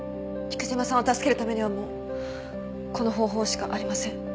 菊島さんを助けるためにはもうこの方法しかありません。